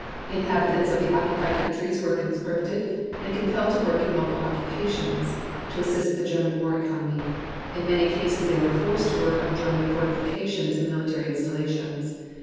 Inhabitants of the occupied countries were conscripted and compelled to work in local occupations, to assist the German war economy. In many cases they were forced to work on German fortifications and military installations.